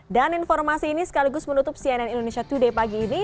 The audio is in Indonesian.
dan informasi ini sekaligus menutup cnn indonesia today pagi ini